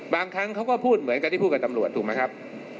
บางครั้งเขาก็พูดเหมือนกับที่พูดกับตำรวจถูกไหมครับ